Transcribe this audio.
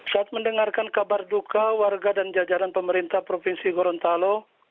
saat mendengarkan kabar duka warga dan jajaran pemerintah provinsi gorontalo